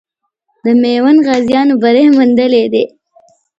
د میوند غازیانو بری موندلی دی.